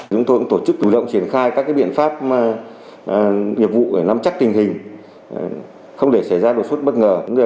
chúng tôi cũng tổ chức chủ động triển khai các biện pháp nghiệp vụ để nắm chắc tình hình không để xảy ra đột xuất bất ngờ